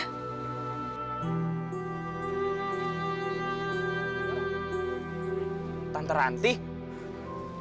sekarang aku harus cari lias cepatnya